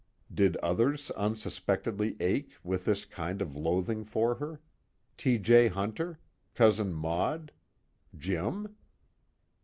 Did others unsuspectedly ache with this kind of loathing for her? T. J. Hunter? Cousin Maud? Jim?